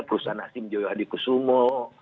perusahaan asing jaya adikusumo